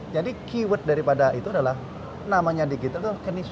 jadi keyword daripada itu adalah namanya digital itu kenisnya